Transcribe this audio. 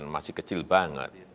masih kecil banget